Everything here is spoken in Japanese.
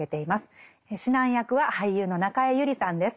指南役は俳優の中江有里さんです。